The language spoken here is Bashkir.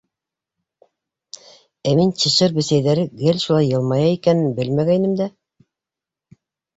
— Ә мин Чешир Бесәйҙәре гел шулай йылмая икәнен белмәгәйнем дә.